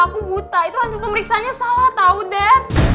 aku buta itu hasil pemeriksanya salah tau dad